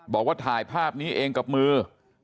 บอกว่าถ่ายภาพนี้เองกับมือ